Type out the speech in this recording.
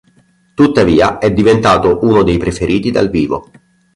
Tuttavia, è diventato uno dei preferiti dal vivo.